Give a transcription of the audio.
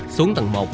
xuống tầng một